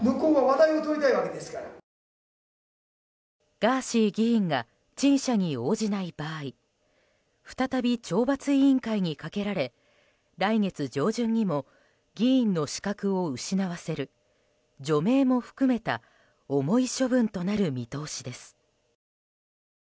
ガーシー議員が陳謝に応じない場合再び懲罰委員会にかけられ来月上旬にも議員の資格を失わせる除名も含めた重い処分となる見通しです。